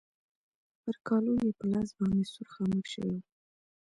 پر کالو يې په لاس باندې سور خامک شوی و.